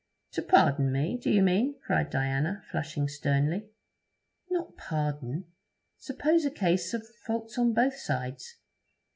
'To pardon me, do you mean?' cried Diana, flushing sternly. 'Not pardon. Suppose a case of faults on both sides.'